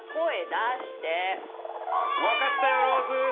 分かったよ、ローズ。